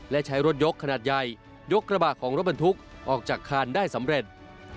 และใช้รถยกขนาดใหญ่ยกกระบะของรถบรรทุกออกจากคานได้สำเร็จ